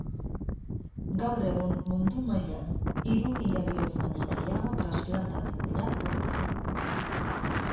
Gaur egun mundu mailan hiru mila bihotz baino gehiago transplantatzen dira urtero.